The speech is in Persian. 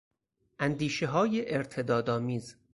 اندیشههای ارتدادآمیز